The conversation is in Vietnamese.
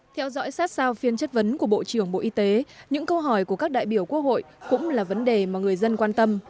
theo dõi sát sao phiên chất vấn của bộ trưởng bộ y tế những câu hỏi của các đại biểu quốc hội cũng là vấn đề mà người dân quan tâm